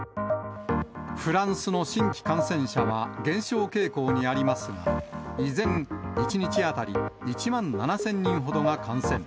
フランスの新規感染者は減少傾向にありますが、依然、１日当たり１万７０００人ほどが感染。